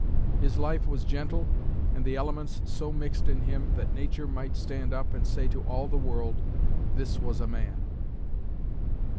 "His life was gentle, and the elements So mixed in him that Nature might stand up And say to all the world, 'This was a man.'"